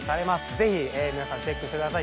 ぜひ皆さんチェックしてください。